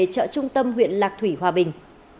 chợ trung tâm huyện lạc thủy hòa bình